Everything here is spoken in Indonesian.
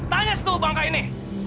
tanya si tuhu bangka ini